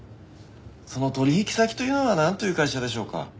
その取引先というのはなんという会社でしょうか？